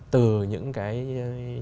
từ những cái